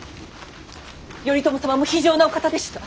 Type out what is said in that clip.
頼朝様も非情なお方でした。